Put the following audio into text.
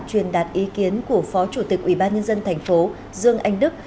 truyền đạt ý kiến của phó chủ tịch ủy ban nhân dân tp hcm dương anh đức